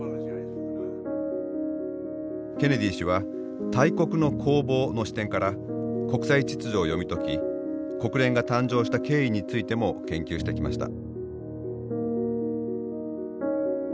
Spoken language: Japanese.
ケネディ氏は「大国の興亡」の視点から国際秩序を読み解き国連が誕生した経緯についても研究してきました。